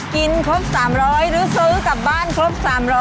ครบ๓๐๐หรือซื้อกลับบ้านครบ๓๐๐